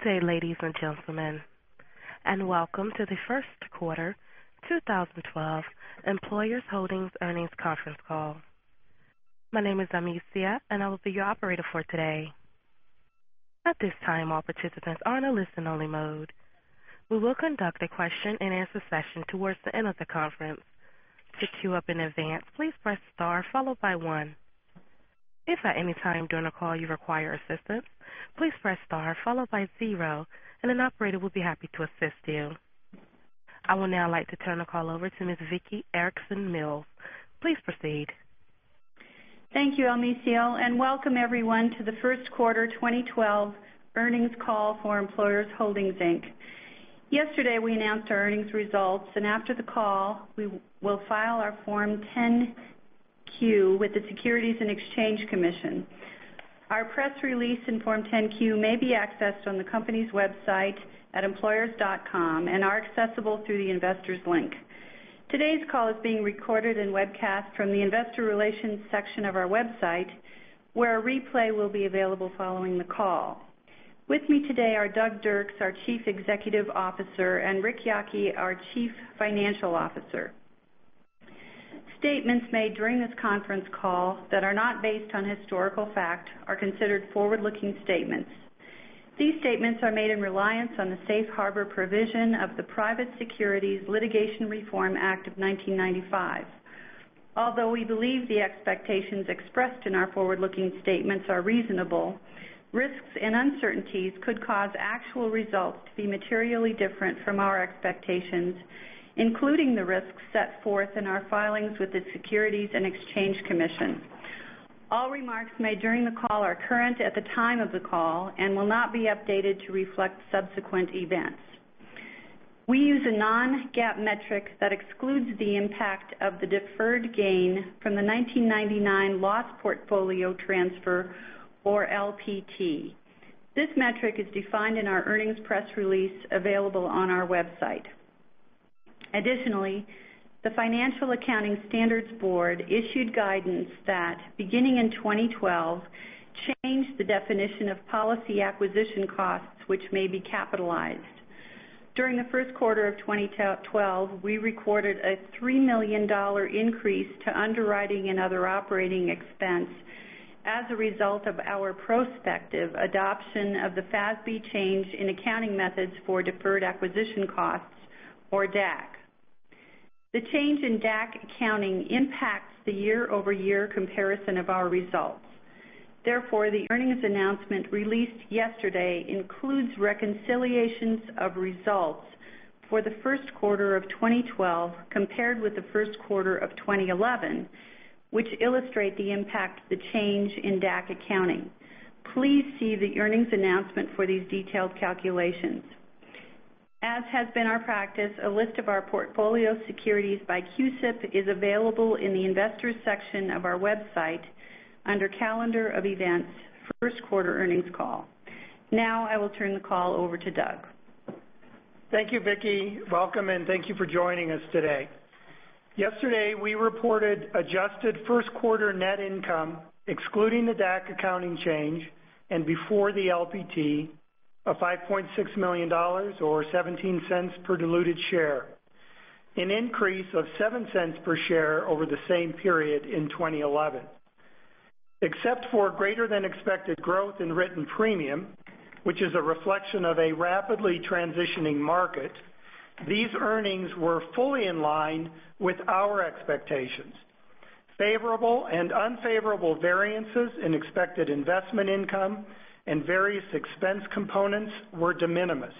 Good day, ladies and gentlemen, and welcome to the first quarter 2012 Employers Holdings Earnings Conference Call. My name is Amicia, and I will be your operator for today. At this time, all participants are in a listen-only mode. We will conduct a question-and-answer session towards the end of the conference. To queue up in advance, please press star followed by one. If at any time during the call you require assistance, please press star followed by zero, and an operator will be happy to assist you. I would now like to turn the call over to Ms. Vicki Erickson Mills. Please proceed. Thank you, Amicia, and welcome everyone to the first quarter 2012 earnings call for Employers Holdings, Inc. Yesterday, we announced our earnings results, and after the call, we will file our Form 10-Q with the Securities and Exchange Commission. Our press release and Form 10-Q may be accessed on the company's website at employers.com and are accessible through the Investors link. Today's call is being recorded and webcast from the investor relations section of our website, where a replay will be available following the call. With me today are Douglas Dirks, our Chief Executive Officer, and Ric Yocke, our Chief Financial Officer. Statements made during this conference call that are not based on historical fact are considered forward-looking statements. These statements are made in reliance on the safe harbor provision of the Private Securities Litigation Reform Act of 1995. Although we believe the expectations expressed in our forward-looking statements are reasonable, risks and uncertainties could cause actual results to be materially different from our expectations, including the risks set forth in our filings with the Securities and Exchange Commission. All remarks made during the call are current at the time of the call and will not be updated to reflect subsequent events. We use a non-GAAP metric that excludes the impact of the deferred gain from the 1999 Loss Portfolio Transfer or LPT. This metric is defined in our earnings press release available on our website. Additionally, the Financial Accounting Standards Board issued guidance that, beginning in 2012, changed the definition of policy acquisition costs which may be capitalized. During the first quarter of 2012, we recorded a $3 million increase to underwriting and other operating expense as a result of our prospective adoption of the FASB change in accounting methods for deferred acquisition costs or DAC. The change in DAC accounting impacts the year-over-year comparison of our results. Therefore, the earnings announcement released yesterday includes reconciliations of results for the first quarter of 2012 compared with the first quarter of 2011, which illustrate the impact of the change in DAC accounting. Please see the earnings announcement for these detailed calculations. As has been our practice, a list of our portfolio securities by CUSIP is available in the investors section of our website under Calendar of Events, First Quarter Earnings Call. Now I will turn the call over to Doug. Thank you, Vicki. Welcome and thank you for joining us today. Yesterday, we reported adjusted first quarter net income, excluding the DAC accounting change and before the LPT, of $5.6 million or $0.17 per diluted share, an increase of $0.07 per share over the same period in 2011. Except for greater-than-expected growth in written premium, which is a reflection of a rapidly transitioning market, these earnings were fully in line with our expectations. Favorable and unfavorable variances in expected investment income and various expense components were de minimis.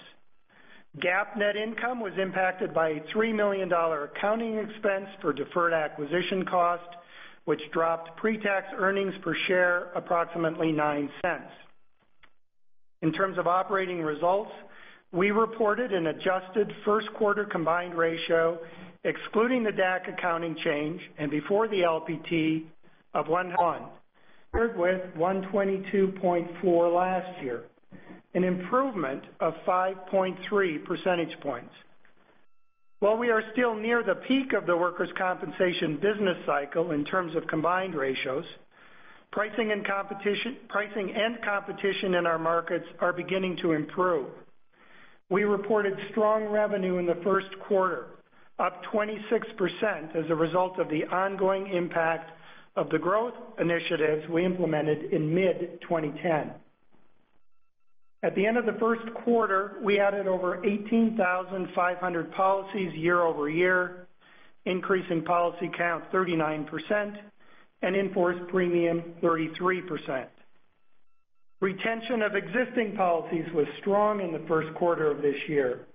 GAAP net income was impacted by a $3 million accounting expense for deferred acquisition cost, which dropped pre-tax earnings per share approximately $0.09. In terms of operating results, we reported an adjusted first quarter combined ratio excluding the DAC accounting change and before the LPT of 101, paired with 122.4 last year, an improvement of 5.3 percentage points. While we are still near the peak of the workers' compensation business cycle in terms of combined ratios, pricing and competition in our markets are beginning to improve. We reported strong revenue in the first quarter, up 26% as a result of the ongoing impact of the growth initiatives we implemented in mid-2010. At the end of the first quarter, we added over 18,500 policies year-over-year, increase in policy count 39%, and in-force premium 33%. Retention of existing policies was strong in the first quarter of this year.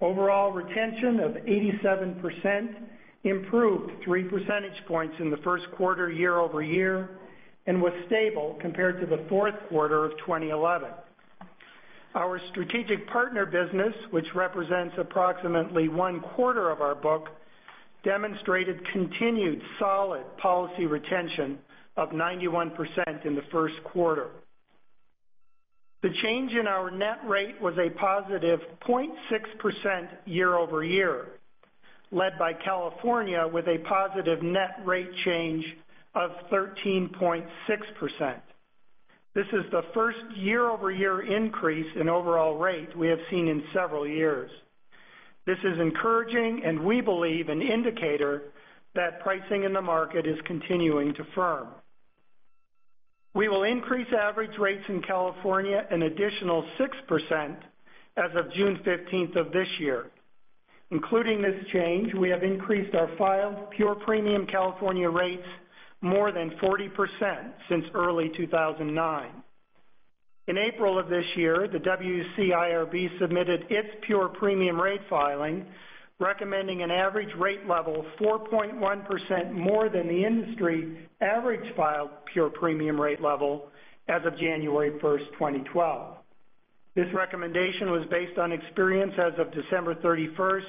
Overall retention of 87% improved three percentage points in the first quarter year-over-year and was stable compared to the fourth quarter of 2011. Our strategic partner business, which represents approximately one-quarter of our book, demonstrated continued solid policy retention of 91% in the first quarter. The change in our net rate was a positive 0.6% year-over-year. Led by California with a positive net rate change of 13.6%. This is the first year-over-year increase in overall rate we have seen in several years. This is encouraging and we believe an indicator that pricing in the market is continuing to firm. We will increase average rates in California an additional 6% as of June 15th of this year. Including this change, we have increased our filed pure premium California rates more than 40% since early 2009. In April of this year, the WCIRB submitted its pure premium rate filing, recommending an average rate level 4.1% more than the industry average filed pure premium rate level as of January 1st, 2012. This recommendation was based on experience as of December 31st,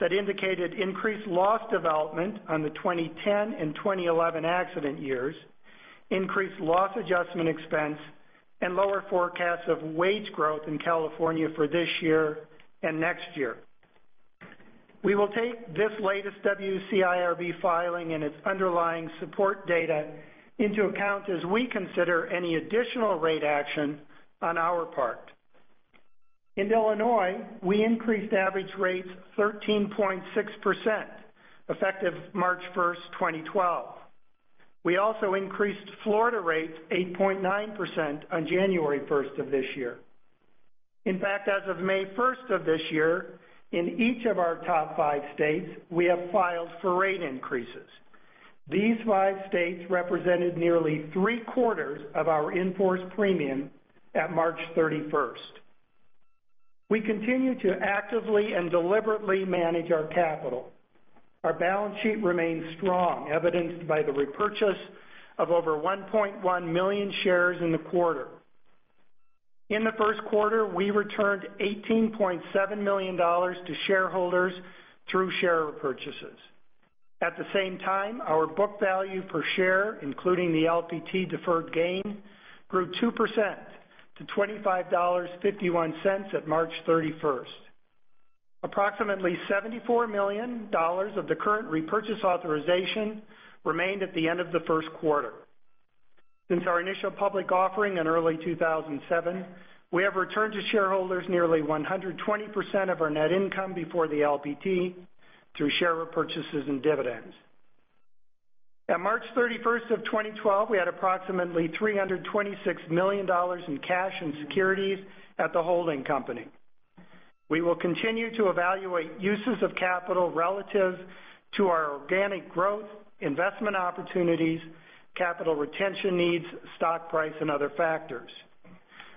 that indicated increased loss development on the 2010 and 2011 accident years, increased loss adjustment expense, and lower forecasts of wage growth in California for this year and next year. We will take this latest WCIRB filing and its underlying support data into account as we consider any additional rate action on our part. In Illinois, we increased average rates 13.6%, effective March 1st, 2012. We also increased Florida rates 8.9% on January 1st of this year. In fact, as of May 1st of this year, in each of our top five states, we have filed for rate increases. These five states represented nearly three-quarters of our in-force premium at March 31st. We continue to actively and deliberately manage our capital. Our balance sheet remains strong, evidenced by the repurchase of over 1.1 million shares in the quarter. In the first quarter, we returned $18.7 million to shareholders through share repurchases. At the same time, our book value per share, including the LPT deferred gain, grew 2% to $25.51 at March 31st. Approximately $74 million of the current repurchase authorization remained at the end of the first quarter. Since our initial public offering in early 2007, we have returned to shareholders nearly 120% of our net income before the LPT through share repurchases and dividends. At March 31st of 2012, we had approximately $326 million in cash and securities at the holding company. We will continue to evaluate uses of capital relative to our organic growth, investment opportunities, capital retention needs, stock price, and other factors.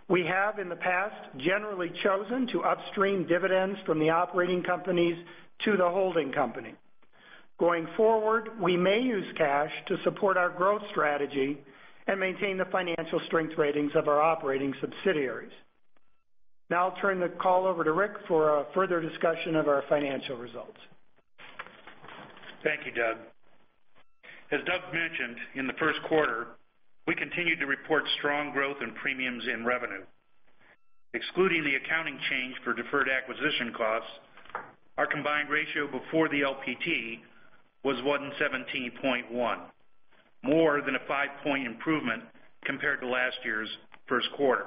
We have in the past, generally chosen to upstream dividends from the operating companies to the holding company. Going forward, we may use cash to support our growth strategy and maintain the financial strength ratings of our operating subsidiaries. Now I'll turn the call over to Rick for a further discussion of our financial results. Thank you, Doug. As Doug mentioned, in the first quarter, we continued to report strong growth in premiums and revenue. Excluding the accounting change for deferred acquisition costs, our combined ratio before the LPT was 117.1, more than a five-point improvement compared to last year's first quarter.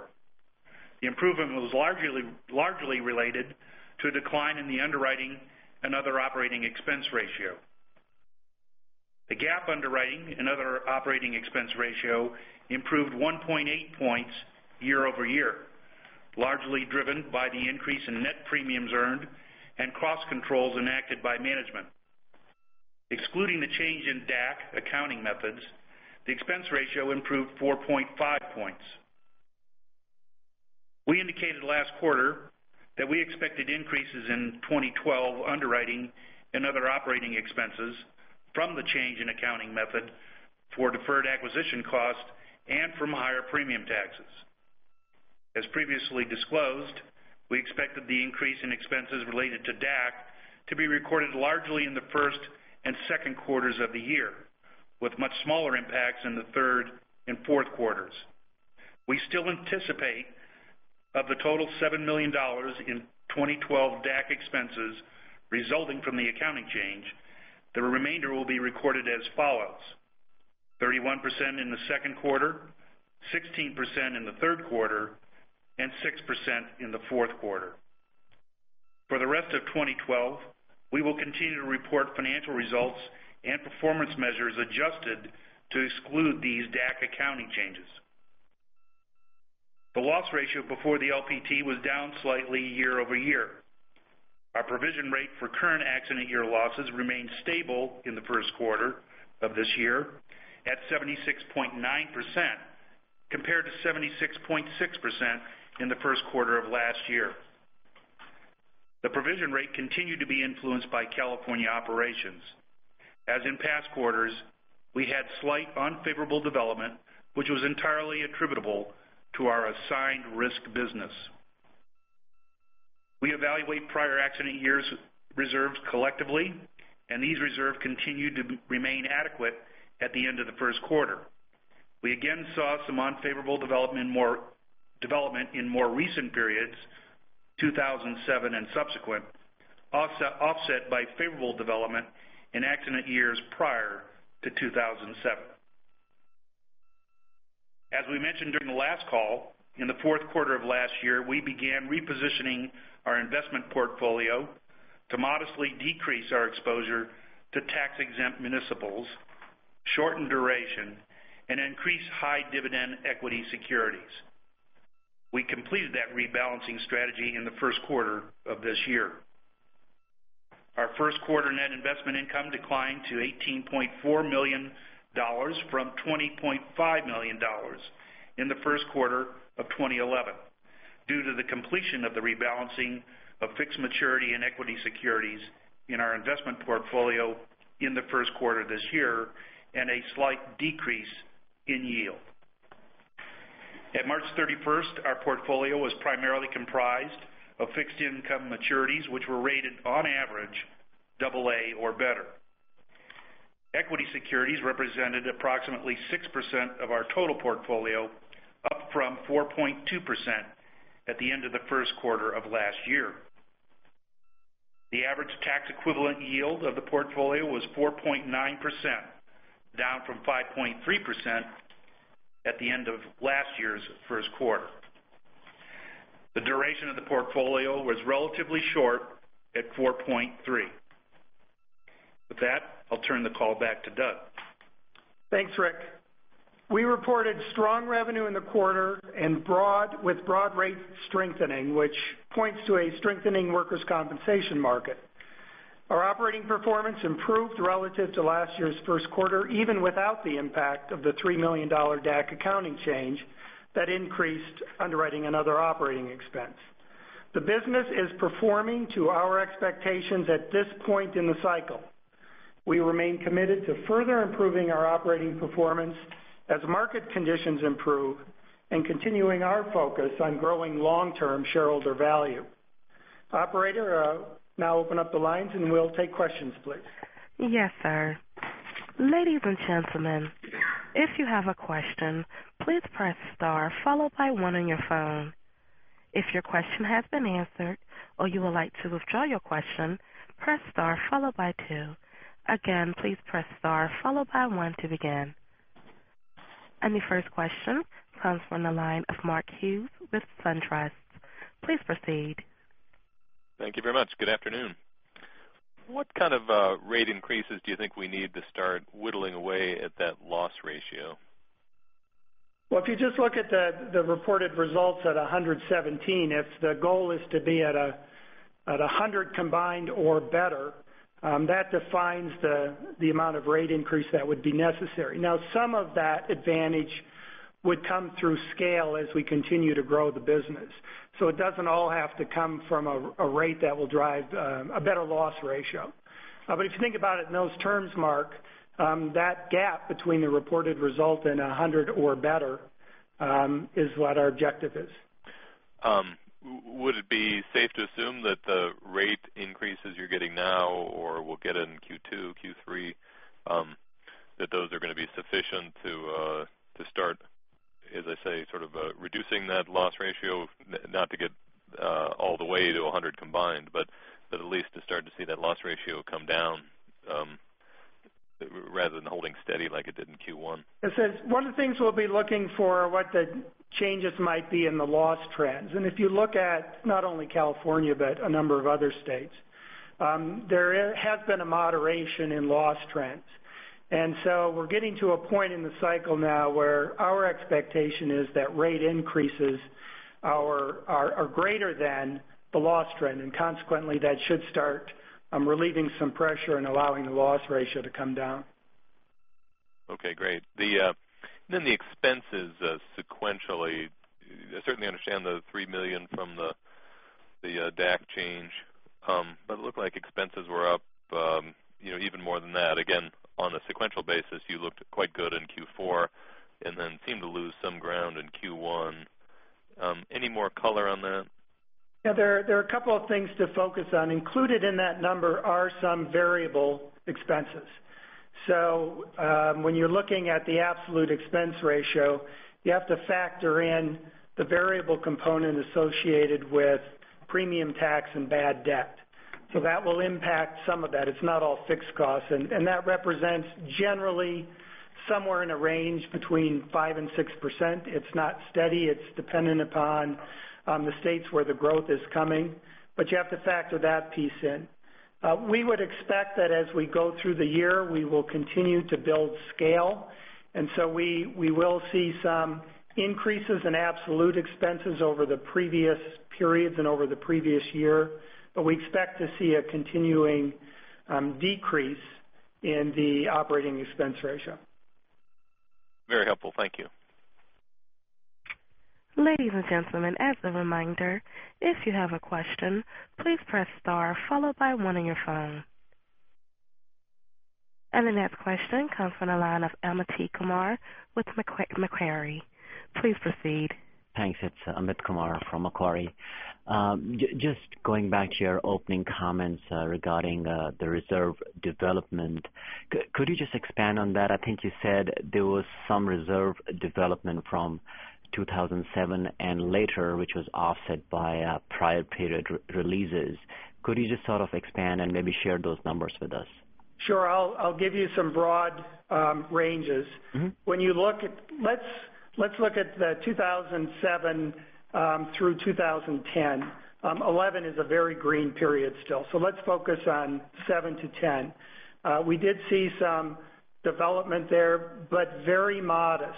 The improvement was largely related to a decline in the underwriting and other operating expense ratio. The GAAP underwriting and other operating expense ratio improved 1.8 points year-over-year, largely driven by the increase in net premiums earned and cost controls enacted by management. Excluding the change in DAC accounting methods, the expense ratio improved 4.5 points. We indicated last quarter that we expected increases in 2012 underwriting and other operating expenses from the change in accounting method for deferred acquisition costs and from higher premium taxes. As previously disclosed, we expected the increase in expenses related to DAC to be recorded largely in the first and second quarters of the year, with much smaller impacts in the third and fourth quarters. We still anticipate of the total $7 million in 2012 DAC expenses resulting from the accounting change, the remainder will be recorded as follows: 31% in the second quarter, 16% in the third quarter, and 6% in the fourth quarter. For the rest of 2012, we will continue to report financial results and performance measures adjusted to exclude these DAC accounting changes. The loss ratio before the LPT was down slightly year-over-year. Our provision rate for current accident year losses remained stable in the first quarter of this year at 76.9%, compared to 76.6% in the first quarter of last year. The provision rate continued to be influenced by California operations. As in past quarters, we had slight unfavorable development, which was entirely attributable to our assigned risk business. We evaluate prior accident years' reserves collectively, and these reserves continued to remain adequate at the end of the first quarter. We again saw some unfavorable development in more recent periods, 2007 and subsequent, offset by favorable development in accident years prior to 2007. As we mentioned during the last call, in the fourth quarter of last year, we began repositioning our investment portfolio to modestly decrease our exposure to tax-exempt municipals, shorten duration, and increase high-dividend equity securities. We completed that rebalancing strategy in the first quarter of this year. Our first quarter net investment income declined to $18.4 million from $20.5 million in the first quarter of 2011, due to the completion of the rebalancing of fixed maturity and equity securities in our investment portfolio in the first quarter of this year, and a slight decrease in yield. At March 31st, our portfolio was primarily comprised of fixed income maturities, which were rated on average double A or better. Equity securities represented approximately 6% of our total portfolio, up from 4.2% at the end of the first quarter of last year. The average tax equivalent yield of the portfolio was 4.9%, down from 5.3% at the end of last year's first quarter. The duration of the portfolio was relatively short at 4.3. With that, I'll turn the call back to Doug. Thanks, Rick. We reported strong revenue in the quarter with broad rate strengthening, which points to a strengthening workers' compensation market. Our operating performance improved relative to last year's first quarter, even without the impact of the $3 million DAC accounting change that increased underwriting and other operating expense. The business is performing to our expectations at this point in the cycle. We remain committed to further improving our operating performance as market conditions improve and continuing our focus on growing long-term shareholder value. Operator, now open up the lines and we'll take questions, please. Yes, sir. Ladies and gentlemen, if you have a question, please press star followed by one on your phone. If your question has been answered or you would like to withdraw your question, press star followed by two. Again, please press star followed by one to begin. The first question comes from the line of Mark Hughes with SunTrust. Please proceed. Thank you very much. Good afternoon. What kind of rate increases do you think we need to start whittling away at that loss ratio? Well, if you just look at the reported results at 117, if the goal is to be at 100 combined or better, that defines the amount of rate increase that would be necessary. Some of that advantage would come through scale as we continue to grow the business. It doesn't all have to come from a rate that will drive a better loss ratio. If you think about it in those terms, Mark, that gap between the reported result and 100 or better, is what our objective is. Would it be safe to assume that the rate increases you're getting now or will get in Q2, Q3, that those are going to be sufficient to start, as I say, sort of reducing that loss ratio, not to get all the way to 100 combined, but at least to start to see that loss ratio come down rather than holding steady like it did in Q1? One of the things we'll be looking for what the changes might be in the loss trends. If you look at not only California, but a number of other states there has been a moderation in loss trends. We're getting to a point in the cycle now where our expectation is that rate increases are greater than the loss trend, and consequently, that should start relieving some pressure and allowing the loss ratio to come down. Okay, great. The expenses sequentially, I certainly understand the $3 million from the DAC change, it looked like expenses were up even more than that. Again, on a sequential basis, you looked quite good in Q4 then seemed to lose some ground in Q1. Any more color on that? Yeah, there are a couple of things to focus on. Included in that number are some variable expenses. When you're looking at the absolute expense ratio, you have to factor in the variable component associated with premium tax and bad debt. That will impact some of that. It's not all fixed costs, that represents generally somewhere in a range between 5% and 6%. It's not steady. It's dependent upon the states where the growth is coming, you have to factor that piece in. We would expect that as we go through the year, we will continue to build scale, so we will see some increases in absolute expenses over the previous periods and over the previous year. We expect to see a continuing decrease in the operating expense ratio. Very helpful. Thank you. Ladies and gentlemen, as a reminder, if you have a question, please press star followed by one on your phone. The next question comes from the line of Amit Kumar with Macquarie. Please proceed. Thanks. It's Amit Kumar from Macquarie. Going back to your opening comments regarding the reserve development, could you just expand on that? I think you said there was some reserve development from 2007 and later, which was offset by prior period releases. Could you sort of expand and maybe share those numbers with us? Sure. I'll give you some broad ranges. Let's look at the 2007 through 2010. 2011 is a very green period still. Let's focus on 2007 to 2010. We did see some development there, very modest.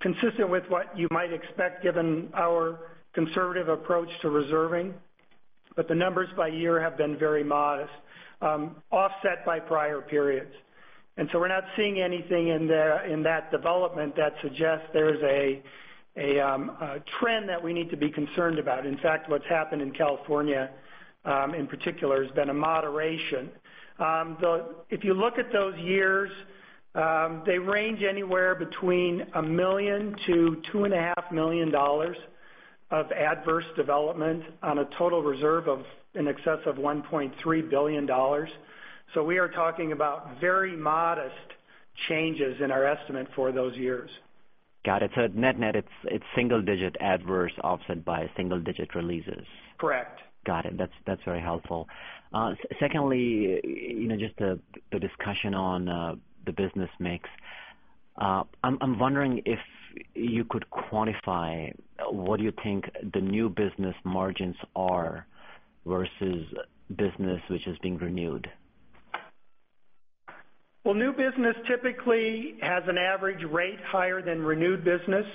Consistent with what you might expect given our conservative approach to reserving, the numbers by year have been very modest, offset by prior periods. We're not seeing anything in that development that suggests there's a trend that we need to be concerned about. In fact, what's happened in California, in particular, has been a moderation. If you look at those years, they range anywhere between $1 million-$2.5 million of adverse development on a total reserve of in excess of $1.3 billion. We are talking about very modest changes in our estimate for those years. Got it. Net-net, it's single digit adverse offset by single digit releases. Correct. Got it. That's very helpful. Secondly, just the discussion on the business mix. I'm wondering if you could quantify what you think the new business margins are versus business which is being renewed. Well, new business typically has an average rate higher than renewed business.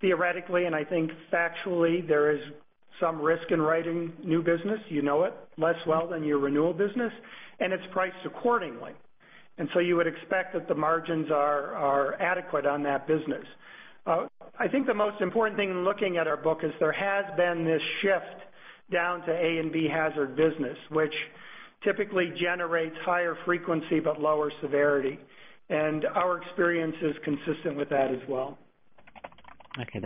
Theoretically, and I think factually, there is some risk in writing new business. You know it less well than your renewal business, and it's priced accordingly. You would expect that the margins are adequate on that business. I think the most important thing in looking at our book is there has been this shift down to A and B hazard business, which typically generates higher frequency but lower severity. Our experience is consistent with that as well. Okay.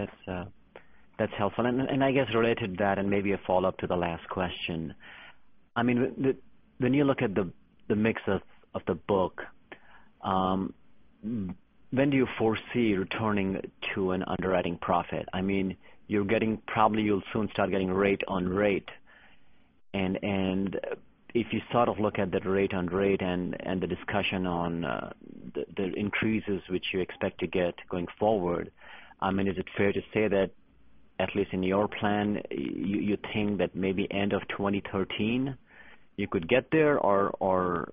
That's helpful. I guess related to that, and maybe a follow-up to the last question, when you look at the mix of the book, when do you foresee returning to an underwriting profit? Probably you'll soon start getting rate on rate, and if you sort of look at that rate on rate and the discussion on the increases which you expect to get going forward, is it fair to say that at least in your plan, you think that maybe end of 2013 you could get there, or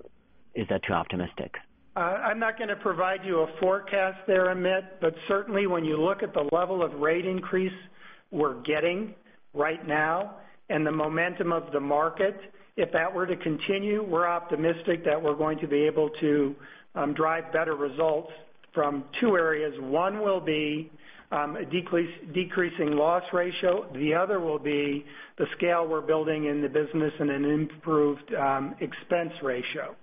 is that too optimistic? I'm not going to provide you a forecast there, Amit. Certainly when you look at the level of rate increase we're getting right now and the momentum of the market, if that were to continue, we're optimistic that we're going to be able to drive better results from two areas. One will be decreasing loss ratio, the other will be the scale we're building in the business and an improved expense ratio.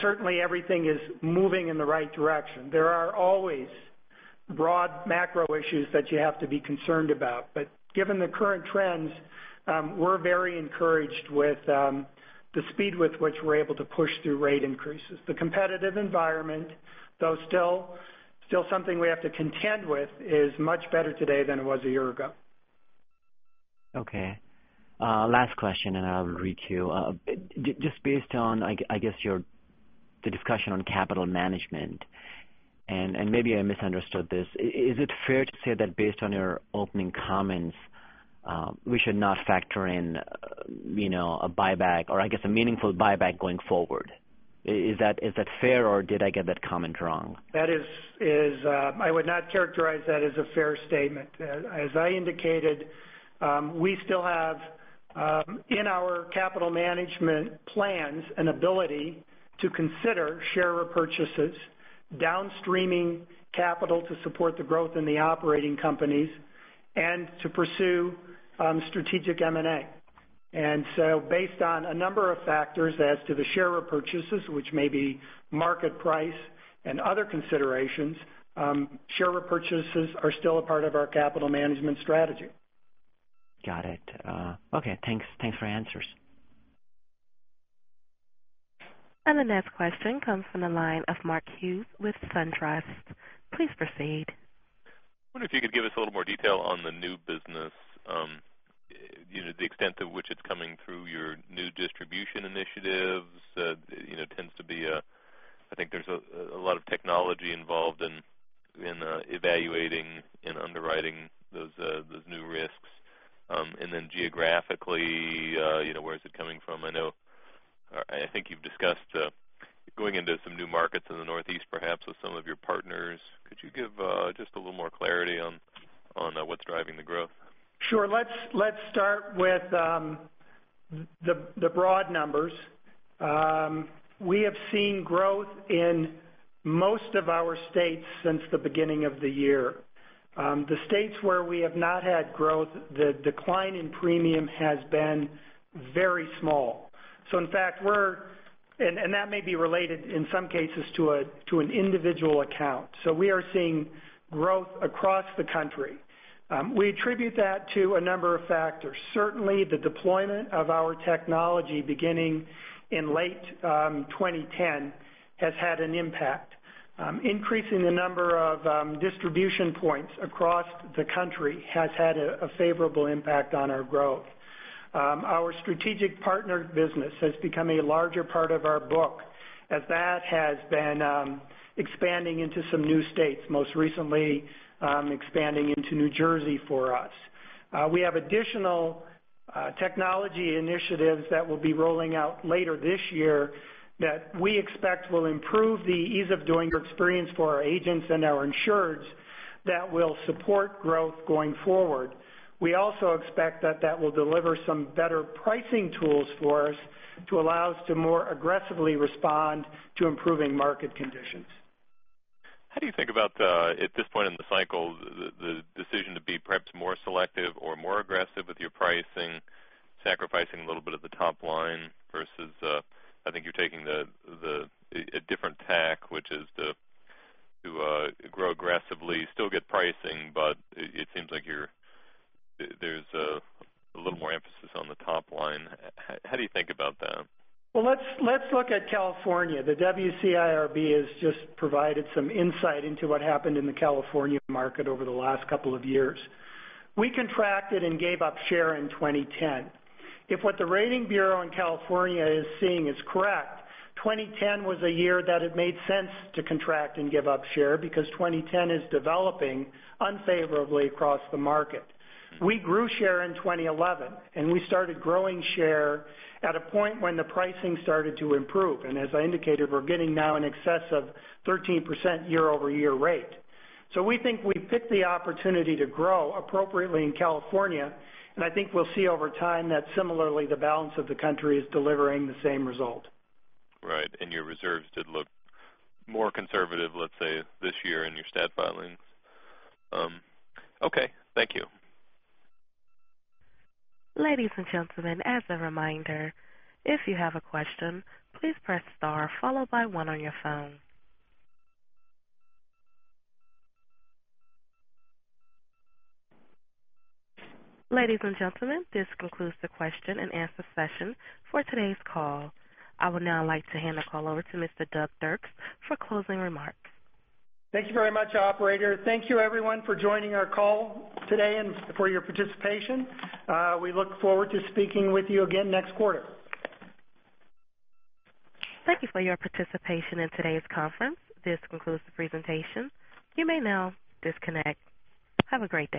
Certainly, everything is moving in the right direction. There are always broad macro issues that you have to be concerned about, but given the current trends, we're very encouraged with the speed with which we're able to push through rate increases. The competitive environment, though still something we have to contend with, is much better today than it was a year ago. Okay. Last question, I'll read you. Just based on, I guess, the discussion on capital management, maybe I misunderstood this, is it fair to say that based on your opening comments, we should not factor in a buyback or I guess a meaningful buyback going forward? Is that fair, or did I get that comment wrong? I would not characterize that as a fair statement. As I indicated, we still have in our capital management plans an ability to consider share repurchases, downstreaming capital to support the growth in the operating companies, and to pursue strategic M&A. Based on a number of factors as to the share repurchases, which may be market price and other considerations, share repurchases are still a part of our capital management strategy. Got it. Okay, thanks for answers. The next question comes from the line of Mark Hughes with SunTrust. Please proceed. Wonder if you could give us a little more detail on the new business, the extent to which it's coming through your new distribution initiatives. I think there's a lot of technology involved in evaluating and underwriting those new risks. Then geographically, where is it coming from? I think you've discussed going into some new markets in the Northeast, perhaps with some of your partners. Could you give just a little more clarity on what's driving the growth? Sure. Let's start with the broad numbers. We have seen growth in most of our states since the beginning of the year. The states where we have not had growth, the decline in premium has been very small. In fact, and that may be related, in some cases, to an individual account. We are seeing growth across the country. We attribute that to a number of factors. Certainly, the deployment of our technology beginning in late 2010 has had an impact. Increasing the number of distribution points across the country has had a favorable impact on our growth. Our strategic partner business has become a larger part of our book, as that has been expanding into some new states, most recently expanding into New Jersey for us. We have additional technology initiatives that we'll be rolling out later this year that we expect will improve the ease of doing experience for our agents and our insureds that will support growth going forward. We also expect that will deliver some better pricing tools for us to allow us to more aggressively respond to improving market conditions. How do you think about the, at this point in the cycle, the decision to be perhaps more selective or more aggressive with your pricing, sacrificing a little bit of the top line versus, I think you're taking a different tack, which is to grow aggressively, still get pricing, it seems like there's a little more emphasis on the top line. How do you think about that? Let's look at California. The WCIRB has just provided some insight into what happened in the California market over the last couple of years. We contracted and gave up share in 2010. If what the Rating Bureau in California is seeing is correct, 2010 was a year that it made sense to contract and give up share because 2010 is developing unfavorably across the market. We grew share in 2011. We started growing share at a point when the pricing started to improve. As I indicated, we're getting now in excess of 13% year-over-year rate. We think we picked the opportunity to grow appropriately in California, and I think we'll see over time that similarly, the balance of the country is delivering the same result. Right. Your reserves did look more conservative, let's say, this year in your stat filings. Okay. Thank you. Ladies and gentlemen, as a reminder, if you have a question, please press star followed by one on your phone. Ladies and gentlemen, this concludes the question and answer session for today's call. I would now like to hand the call over to Mr. Doug Dirks for closing remarks. Thank you very much, operator. Thank you everyone for joining our call today and for your participation. We look forward to speaking with you again next quarter. Thank you for your participation in today's conference. This concludes the presentation. You may now disconnect. Have a great day.